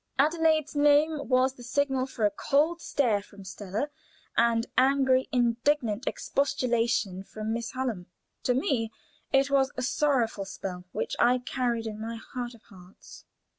Adelaide's name was the signal for a cold stare from Stella, and angry, indignant expostulation from Miss Hallam. To me it was a sorrowful spell which I carried in my heart of hearts.